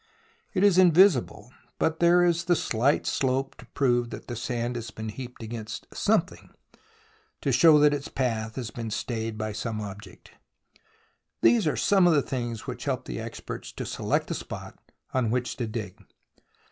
It is invisible, but there is the slight slope to prove that the sand has been heaped against something, to show that its path has been stayed by some object. These are some of the things which help the experts to select the spot on which to dig.